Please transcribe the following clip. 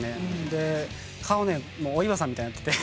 で顔ねもうお岩さんみたいになってて。